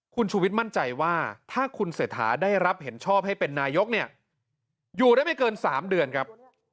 คุณชูวิทย์มั่นใจว่าถ้าคุณเศรษฐาได้รับเห็นชอบให้เป็นนายกเนี่ยอยู่ได้ไม่เกิน๓เดือนครับ